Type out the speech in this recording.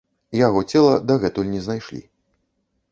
Яго цела дагэтуль не знайшлі.